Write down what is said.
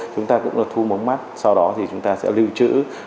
chúng ta cũng là thu mống mắt sau đó thì chúng ta sẽ lưu trữ